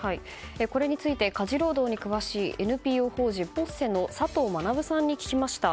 これについて家事労働に詳しいＮＰＯ法人ＰＯＳＳＥの佐藤学さんに聞きました。